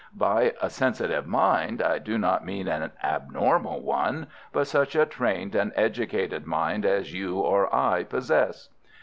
By a sensitive mind I do not mean an abnormal one, but such a trained and educated mind as you or I possess."